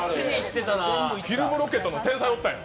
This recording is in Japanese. フィルムロケットの天才おったんや！